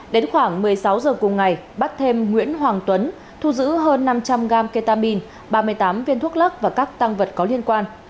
đến khoảng một mươi sáu h cùng ngày bắt thêm nguyễn hoàng tuấn thu giữ hơn năm trăm linh g ketamine ba mươi tám viên thuốc lắc và các tăng vật có liên quan